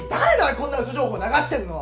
こんな嘘情報流してんのは！